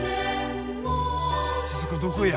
鈴子どこや？